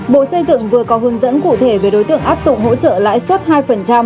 bộ xây dựng vừa có hướng dẫn cụ thể về đối tượng áp dụng hỗ trợ lãi suất hai